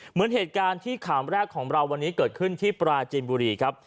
เหมือนเหตุการณ์ที่ขามแรกของเราวันนี้เกิดขึ้นที่ปราจีนบุรีครับ